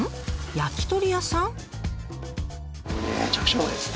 焼き鳥屋さん？